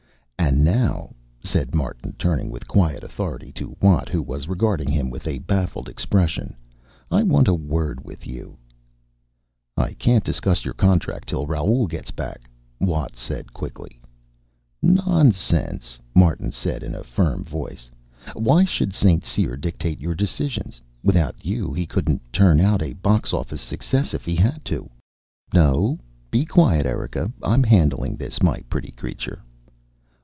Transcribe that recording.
"And now," said Martin, turning with quiet authority to Watt, who was regarding him with a baffled expression, "I want a word with you." "I can't discuss your contract till Raoul gets back," Watt said quickly. "Nonsense," Martin said in a firm voice. "Why should St. Cyr dictate your decisions? Without you, he couldn't turn out a box office success if he had to. No, be quiet, Erika. I'm handling this, my pretty creature."